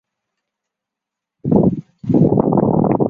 此党于犹太人大起义期间十分著名。